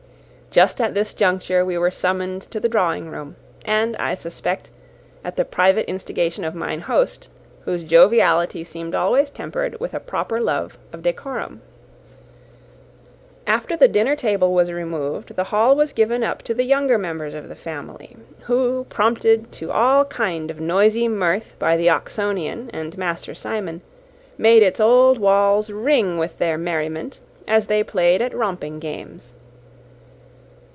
Just at this juncture we were summoned to the drawing room, and, I suspect, at the private instigation of mine host, whose joviality seemed always tempered with a proper love of decorum. After the dinner table was removed, the hall was given up to the younger members of the family, who, prompted to all kind of noisy mirth by the Oxonian and Master Simon, made its old walls ring with their merriment, as they played at romping games.